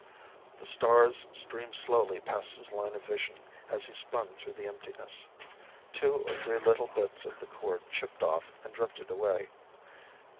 The stars streamed slowly past his line of vision as he spun through the emptiness. Two or three little bits of the cord chipped off and drifted away.